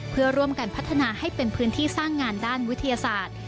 เพื่อร่วมกันพัฒนาให้เป็นพื้นที่สร้างงานด้านวิทยาศาสตร์